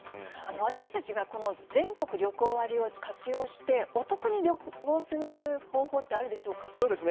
私たちが全国旅行割を活用して、お得に旅行をする方法ってあるでしょうか。